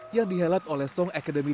yang dihelat oleh seorang perempuan